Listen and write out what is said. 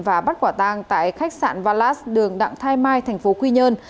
và bắt quả tàng tại khách sạn valas đường đặng thai mai thành phố quy nhơn